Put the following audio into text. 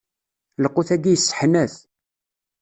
Lqut-agi isseḥnat.